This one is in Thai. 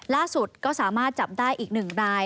ล่าสุดก็สามารถจับได้อีก๑ราย